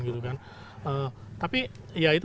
tapi ya itu teman teman ibu saya teman teman ayah saya ya itu